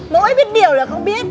mỗi biết nhiều là không biết